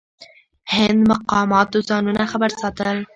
هند مقاماتو ځانونه خبر ساتل.